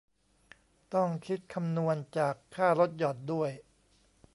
ต้องคิดคำนวณจากค่าลดหย่อนด้วย